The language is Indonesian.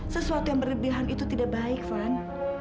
sesuatu yang berlebihan itu tidak baik van